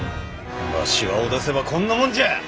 わしが脅せばこんなもんじゃ！